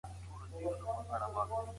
آیا ستا په کلي کي کتابونه پېژني؟